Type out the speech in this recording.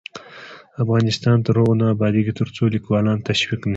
افغانستان تر هغو نه ابادیږي، ترڅو لیکوالان تشویق نشي.